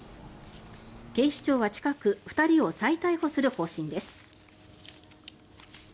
警視庁は近く２人を再逮捕する方針です。